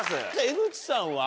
江口さんは？